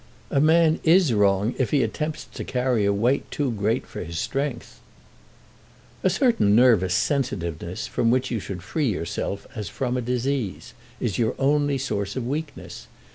"A man is wrong if he attempts to carry a weight too great for his strength." "A certain nervous sensitiveness, from which you should free yourself as from a disease, is your only source of weakness.